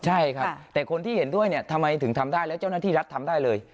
ใช่ครับแต่คนที่เห็นด้วยเนี่ยทำไมถึงทำได้แล้วเจ้าหน้าที่รัฐทำได้เลย